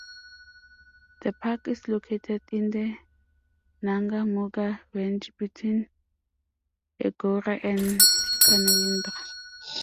The park is located in the Nangar-Murga Range between Eugowra and Canowindra.